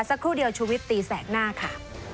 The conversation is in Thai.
สักครู่เดียวชุวิตตีแสกหน้าค่ะ